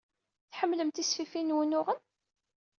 Tḥemmlem tisfifin n wunuɣen?